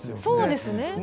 そうですね。